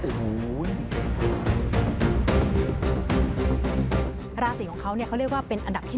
ราศีของเขาเนี่ยเขาเรียกว่าเป็นอันดับที่๑